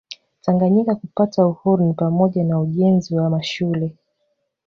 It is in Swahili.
Tanganyika kupata uhuru ni pamoja na ujenzi wa mashule